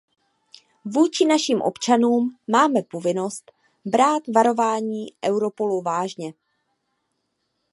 Vůči našim občanům máme povinnost brát varování Europolu vážně.